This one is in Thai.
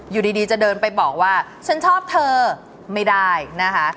อยู่ดีจะเดินไปบอกว่าฉันชอบเธอไม่ได้นะคะ